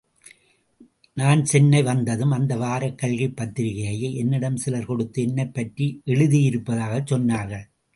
நான் சென்னை வந்ததும் அந்த வாரக் கல்கி பத்திரிக்கையை என்னிடம் சிலர் கொடுத்து என்னைப் பற்றி எழுதியிருப்பதாகச் சொன்னார்கள்.